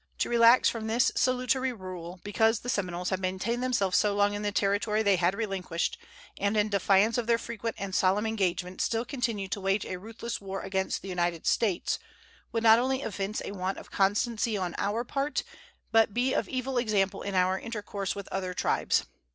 To relax from this salutary rule because the Seminoles have maintained themselves so long in the territory they had relinquished, and in defiance of their frequent and solemn engagements still continue to wage a ruthless war against the United States, would not only evince a want of constancy on our part, but be of evil example in our intercourse with other tribes.